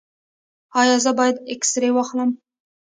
ایا زه باید اکسرې واخلم؟